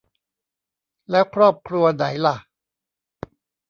แล้วครอบครัวไหนล่ะ